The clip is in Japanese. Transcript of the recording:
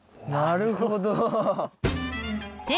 なるほど。